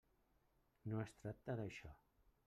No es tracta d'això.